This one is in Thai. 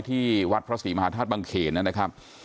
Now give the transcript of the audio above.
ที่วัดพระศรีมหาธาตุบังเขนนะครับ